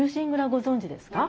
ご存じですか？